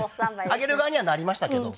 あげる側にはなりましたけど。